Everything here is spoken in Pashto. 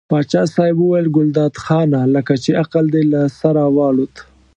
پاچا صاحب وویل ګلداد خانه لکه چې عقل دې له سره والوت.